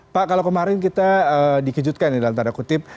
pak kalau kemarin kita dikejutkan dalam tanda kutip